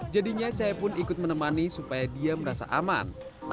jadinya saya pun ikut menemani supaya dia merasa aman